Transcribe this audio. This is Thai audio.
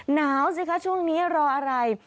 หนาวสิคะช่วงนี้รออะไร